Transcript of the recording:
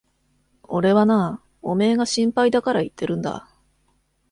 俺はな、おめえが心配だから言ってるんだ。